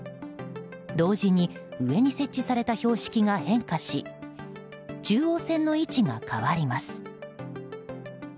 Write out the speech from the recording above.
同時に上に設置された標識が変化し中央線の位置が変わります。